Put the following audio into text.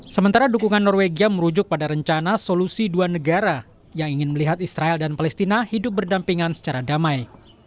sementara dukungan norwegia merujuk pada rencana solusi dua negara yang ingin melihat israel dan palestina hidup berdampingan secara damai